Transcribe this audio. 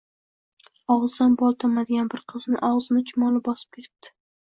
Og'zidan bol tomadigan bir qizni og'zini chumoli bosib ketibdi.